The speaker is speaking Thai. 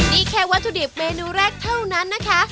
นี่แค่วัตถุดิบเมนูแรกเท่านั้นนะคะ